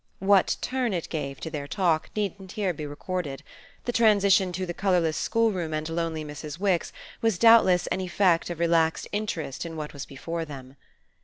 What turn it gave to their talk needn't here be recorded: the transition to the colourless schoolroom and lonely Mrs. Wix was doubtless an effect of relaxed interest in what was before them.